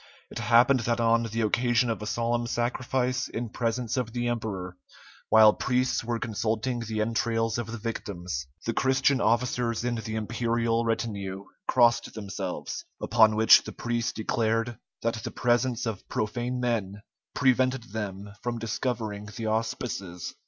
It happened that on the occasion of a solemn sacrifice in presence of the emperor, while priests were consulting the entrails of the victims, the Christian officers in the imperial retinue crossed themselves; upon which the priests declared that the presence of profane men prevented them from discovering the auspices.